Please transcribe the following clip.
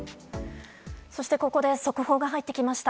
そしてここで速報が入ってきました。